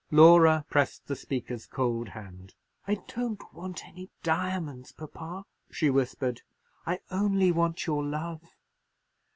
Laura pressed the speaker's cold hand. "I don't want any diamonds, papa," she whispered; "I only want your love."